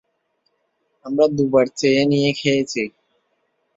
আমরা দুবার চেয়ে নিয়ে খেয়েছি।